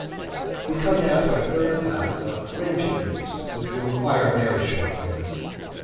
We come now to our third class of Fringing reefs, which will require a very short notice.